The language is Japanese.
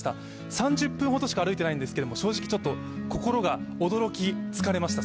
３０分ほどしか歩いていないんですけど正直、ちょっと心が驚き疲れました。